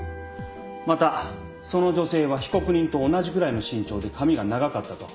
またその女性は被告人と同じぐらいの身長で髪が長かったと。